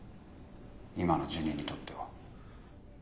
今のジュニにとっては。